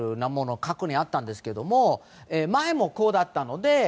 過去にあったんですけど前もこうだったので。